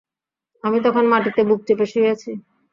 আমি তখন মাটিতে বুক চেপে শুয়ে আছি।